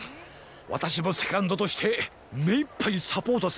わたしもセカンドとしてめいっぱいサポートするからな。